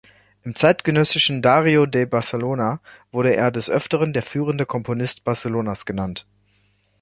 Im zeitgenössischen "Diario de Barcelona" wurde er des Öfteren der führende Komponist Barcelonas genannt.